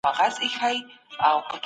عدالت د هر چا لپاره برابر دی.